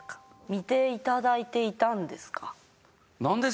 見ていただいていたんですか？